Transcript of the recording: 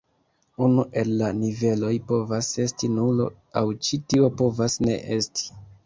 Unu el la niveloj povas esti nulo, aŭ ĉi tio povas ne esti.